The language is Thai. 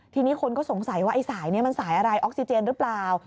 ทีนี้คนก็สงสัยว่าไอ้สายนี้มันสายอะไรออกซิเจนหรือเปล่า